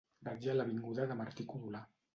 Vaig a l'avinguda de Martí-Codolar.